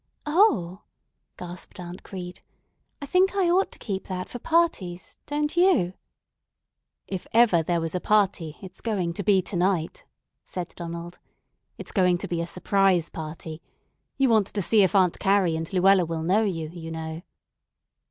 "O," gasped Aunt Crete, "I think I ought to keep that for parties, don't you?" "If ever there was a party, it's going to be to night," said Donald. "It's going to be a surprise party. You want to see if Aunt Carrie and Luella will know you, you know."